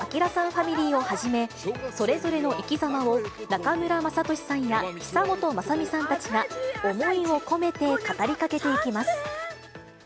ファミリーをはじめ、それぞれのいきざまを中村雅俊さんや久本雅美さんたちが、思いを込めて語りかけていきます。